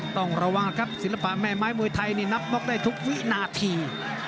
ต้องระวังครับศิลปะแม่ไม้มวยไทยนี่นับน็อกได้ทุกวินาที